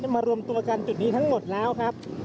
มารวมตัวกันจุดนี้ทั้งหมดแล้วครับ